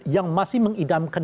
yang masih mengidamkan